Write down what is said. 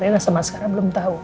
rina sama askara belum tau